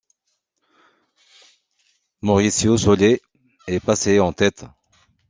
Mauricio Soler est passé en tête.